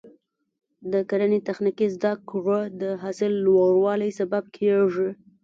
د کرنې تخنیکي زده کړه د حاصل لوړوالي سبب کېږي.